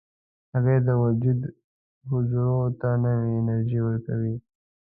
هګۍ د وجود حجرو ته نوې انرژي ورکوي.